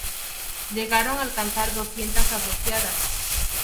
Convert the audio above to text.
Llegaron a alcanzar doscientas asociadas.